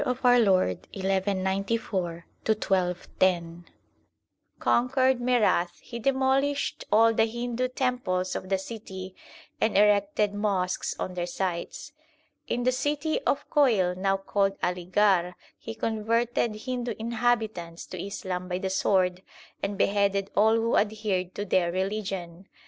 D. 1194 1210) conquered Merath he demolished all the Hindu temples of the city and erected mosques on their sites. In the city of Koil, now called Aligarh, he converted Hindu inhabitants to Islam by the sword and beheaded all who adhered to their religion.